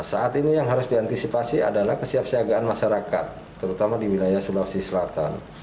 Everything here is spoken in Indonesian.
saat ini yang harus diantisipasi adalah kesiapsiagaan masyarakat terutama di wilayah sulawesi selatan